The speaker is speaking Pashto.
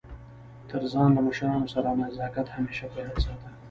تر ځان له مشرانو سره نزاکت همېشه په یاد ساته!